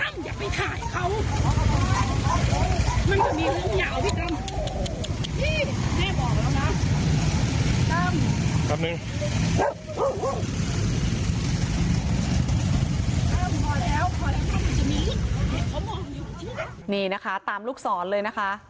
นี่นะคะตามลูกศรเลยนะคะ